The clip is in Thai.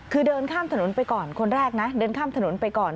คือเดินข้ามถนนไปก่อนคนแรกนะเดินข้ามถนนไปก่อน